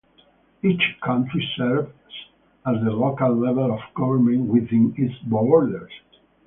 Each county serves as the local level of government within its borders.